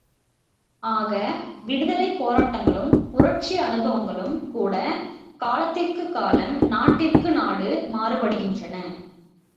ஆக, விடுதலைப் போராட்டங்களும், புரட்சி அனுபவங்களும் கூடகாலத்திற்குக் காலம், நாட்டிற்கு நாடு மாறுபடுகின்றன.